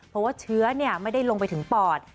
เพราะว่าเชื้อไม่ได้ลงไปถึงปอด